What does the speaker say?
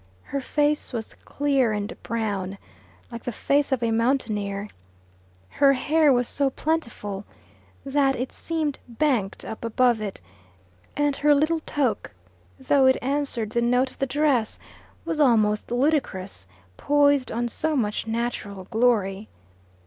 Her face was clear and brown, like the face of a mountaineer; her hair was so plentiful that it seemed banked up above it; and her little toque, though it answered the note of the dress, was almost ludicrous, poised on so much natural glory.